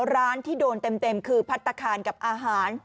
ร้านที่โดนเต็มคือพัฒนาคารกับอาหาร